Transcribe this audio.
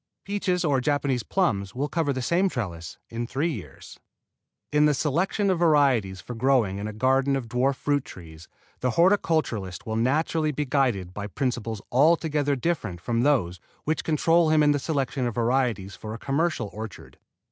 Peaches or Japanese plums will cover the same trellis in three years. In the selection of varieties for growing in a garden of dwarf fruit trees the horticulturist will naturally be guided by principles altogether different from those which control him in the selection of varieties for a commercial orchard.